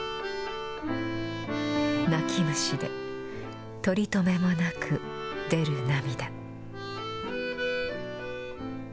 泣き虫で取り止めもなく出る涙。